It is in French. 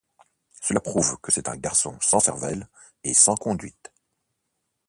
Cela prouve que c’est un garçon sans cervelle et sans conduite.